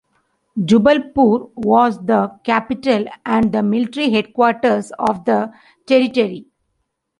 Jubbulpore was the capital and the military headquarters of the territory.